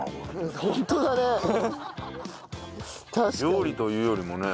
料理というよりもね。